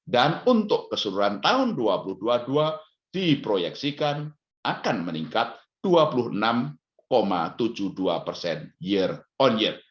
untuk keseluruhan tahun dua ribu dua puluh dua diproyeksikan akan meningkat dua puluh enam tujuh puluh dua persen year on year